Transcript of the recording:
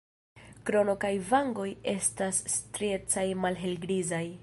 Krono kaj vangoj estas striecaj malhelgrizaj.